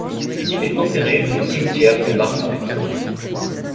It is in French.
Il est enterré au cimetière de Marbourg.